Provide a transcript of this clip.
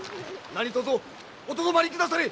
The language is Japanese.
何とぞおとどまりくだされ！